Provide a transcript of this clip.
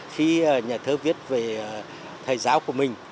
khi nhà thơ viết về thầy giáo của mình